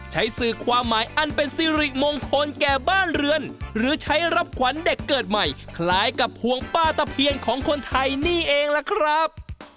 สื่อความหมายอันเป็นสิริมงคลแก่บ้านเรือนหรือใช้รับขวัญเด็กเกิดใหม่คล้ายกับห่วงป้าตะเพียนของคนไทยนี่เองล่ะครับ